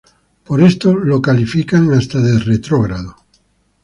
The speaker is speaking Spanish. Por esto es calificado hasta de retrógrado.